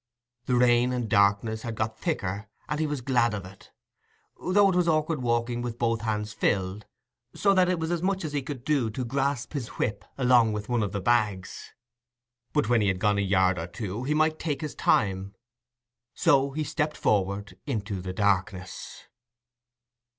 The rain and darkness had got thicker, and he was glad of it; though it was awkward walking with both hands filled, so that it was as much as he could do to grasp his whip along with one of the bags. But when he had gone a yard or two, he might take his time. So he stepped forward into the darkness.